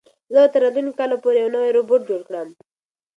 زه به تر راتلونکي کال پورې یو نوی روبوټ جوړ کړم.